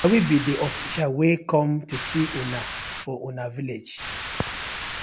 Na we bi di officials wey com to see una for una village.